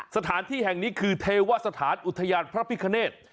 สถานที่แห่งนี้คือเทวสถานอุทยานพระพิคเนต